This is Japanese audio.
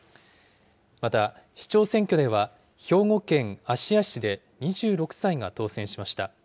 また、市長選挙では兵庫県芦屋市で２６歳が当選しました。